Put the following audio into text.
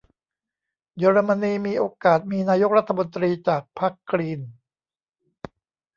เยอรมนีมีโอกาสมีนายกรัฐมนตรีจากพรรคกรีน ?